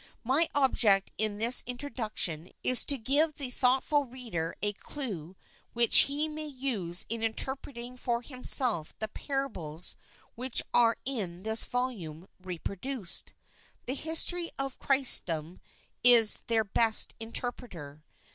My object in this , Introduction is to give the thoughtful reader a clew which he may use in interpreting for him t^i self the parables which are in this volume repro $? duced. The history of Christendom is their best interpreter.